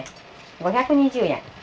５２０円。